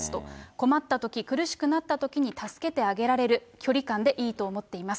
困ったとき、苦しくなったときに助けてあげられる距離感でいいと思っています。